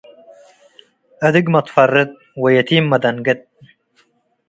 አድግ መትፈርጥ ወየቲም መደንግጥ።